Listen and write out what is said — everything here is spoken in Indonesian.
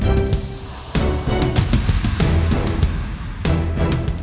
dia bakalan menangis